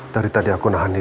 tadi tadi aku nahan diri